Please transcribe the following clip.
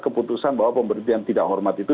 keputusan bahwa pemberhentian tidak hormat itu